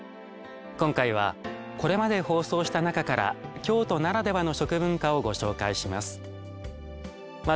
今回はこれまで放送した中から京都ならではの食文化をご紹介します。